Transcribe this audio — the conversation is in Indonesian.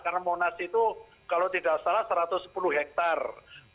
karena monas itu kalau tidak salah satu ratus sepuluh hektare